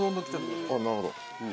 なるほど。